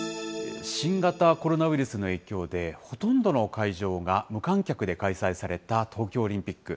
新型コロナウイルスの影響で、ほとんどの会場が無観客で開催された東京オリンピック。